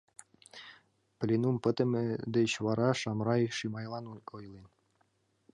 Пленум пытыме деч вара Шамрай Шимайлан ойлен: